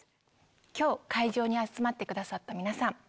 今日会場に集まってくださった皆さん。